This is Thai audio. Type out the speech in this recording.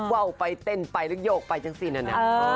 เว่าไปเต้นไปแล้วก็โยกไปจังสินอันนี้